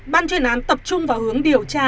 ban chuyên án tập trung vào hướng điều tra